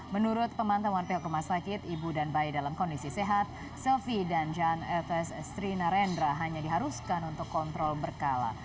menurut pemantauan pihak rumah sakit ibu dan bayi dalam kondisi sehat selvi dan jan etes sri narendra hanya diharuskan untuk kontrol berkala